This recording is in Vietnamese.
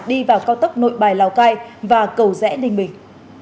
đi vào cao tốc nội bài lào cai và cầu rẽ ninh bình